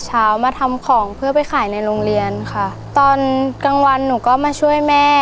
เช้ามาทำของเพื่อไปขายในโรงเรียนค่ะตอนกลางวันหนูก็มาช่วยแม่